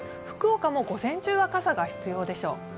福岡も午前中は傘が必要でしょう。